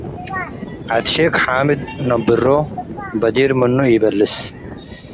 ዐድ ሼክ ሓምድ ትነብሮ - በዲር ምኑ ኢበልሰ